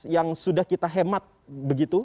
yang sudah kita hemat begitu